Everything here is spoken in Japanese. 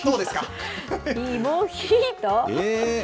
イモヒート？